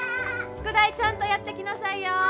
宿題ちゃんとやってきなさいよ。